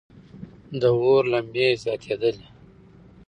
د اور لمبې زیاتېدلې.